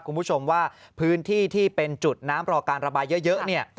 คุณผู้ชมว่าพื้นที่ที่เป็นจุดน้ำรอการระบายเยอะเนี่ย